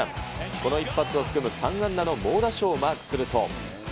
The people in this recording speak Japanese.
この一発を含む３安打の猛打賞をマークすると。